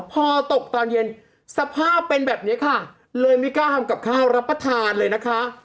พอตกตอนเย็นสภาพเป็นแบบนี้ค่ะเลยไม่กล้าทำกับข้าวรับประทานเลยนะคะ